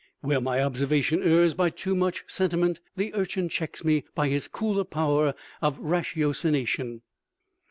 Where my observation errs by too much sentiment the Urchin checks me by his cooler power of ratiocination.